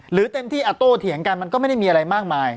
เต็มที่โต้เถียงกันมันก็ไม่ได้มีอะไรมากมาย